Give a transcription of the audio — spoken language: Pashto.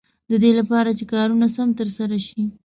د دې لپاره چې کارونه سم تر سره شي.